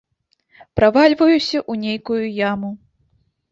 Правальваюся ў нейкую яму.